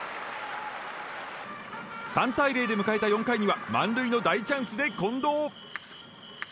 ３対０で迎えた４回には満塁の大チャンスで近藤。